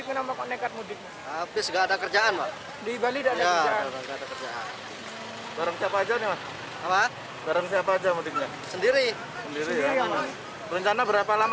kalau selama ini kondisi diperantauan seperti apa